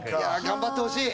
頑張ってほしい！